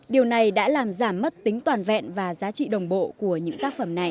điều này đã làm giảm mất tính toàn vẹn và giá trị đồng bộ của những tác phẩm này